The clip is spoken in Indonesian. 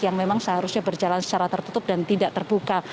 yang memang seharusnya berjalan secara tertutup dan tidak terbuka